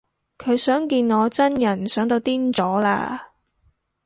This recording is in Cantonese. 佢想見我真人想到癲咗喇